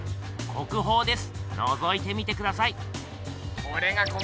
国宝です！